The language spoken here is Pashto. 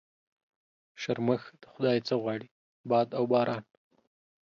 شرمښ د خدا يه څه غواړي ؟ باد و باران.